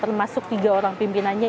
termasuk tiga orang pimpinannya